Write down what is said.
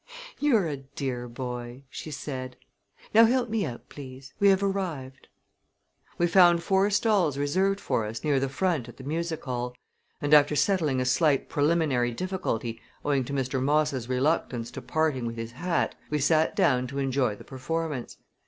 "You're a dear boy!" she said. "Now help me out, please. We have arrived." We found four stalls reserved for us near the front at the music hall; and, after settling a slight preliminary difficulty, owing to Mr. Moss' reluctance to parting with his hat, we sat down to enjoy the performance.